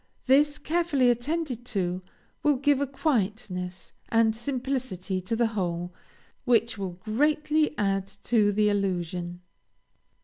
This, carefully attended to, will give a quietness and simplicity to the whole, which will greatly add to the illusion."